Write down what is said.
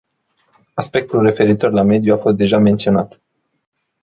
Aspectul referitor la mediu a fost deja menționat.